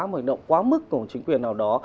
một hành động quá mức của chính quyền nào đó